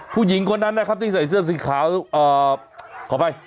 ผู้หญิงคนนั้นนะครับที่ใส่เสื้อสีขาวขออภัย